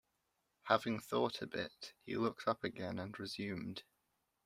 Having thought a bit, he looked up again and resumed.